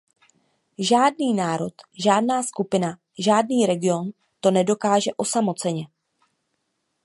Žádný národ, žádná skupina, žádný region to nedokáže osamoceně.